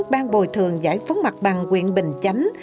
ban bồi thường giải phóng mặt bằng quyện bình chánh